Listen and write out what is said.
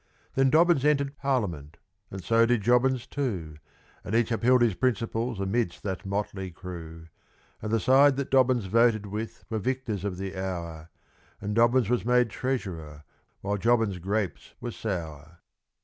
Then Dobbins entered Parliament, and so did Jobbins too, And each upheld his principles amidst that motley crew And the side that Dobbins voted with were victors of the hour. And Dobbins was made Treasurer while Jobbins' grapes were sour.